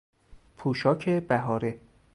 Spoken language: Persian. پوشاک بهاره